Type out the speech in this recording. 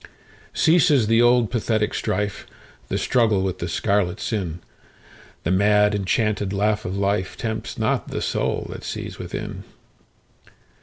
Ceases the old pathetic strife, The struggle with the scarlet sin:The mad enchanted laugh of lifeTempts not the soul that sees within.